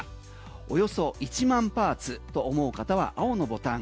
およそ１万パーツと思う方は青のボタン